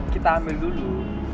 kita ambil dulu